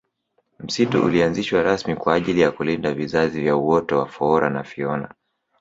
msitu ulianzishwa rasmi kwa ajili ya kulinda vizazi vya uoto wa foora na fiona